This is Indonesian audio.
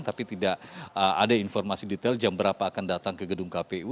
tapi tidak ada informasi detail jam berapa akan datang ke gedung kpu